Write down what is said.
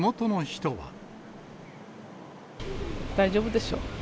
大丈夫でしょ。